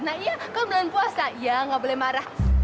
nah iya kamu belum puasa ya gak boleh marah